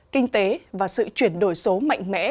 kinh tế và sự chuyển đổi số mạnh mẽ